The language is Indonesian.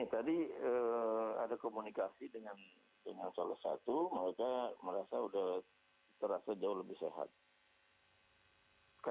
tadi ada komunikasi dengan salah satu mereka merasa sudah terasa jauh lebih sehat